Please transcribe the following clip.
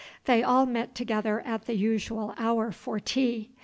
They all met together at the usual hour for tea.